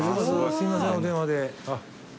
すいませんお電話で。